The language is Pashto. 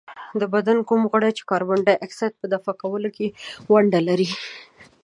د بدن کوم غړی د کاربن ډای اکساید په دفع کولو کې ونډه لري؟